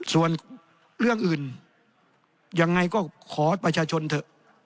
ส่วนเรื่องอื่นยังไงก็ขอประชาชนเถอะ